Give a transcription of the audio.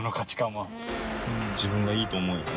自分がいいと思えば。